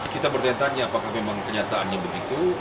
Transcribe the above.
kita bertanya tanya apakah memang kenyataannya begitu